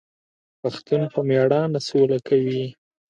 پښتون په میړانه سوله کوي.